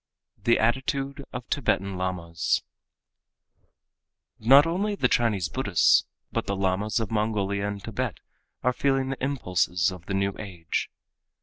4. The Attitude of Tibetan Lamas Not only the Chinese Buddhists, but the Lamas of Mongolia and Tibet are feeling the impulses of the new age.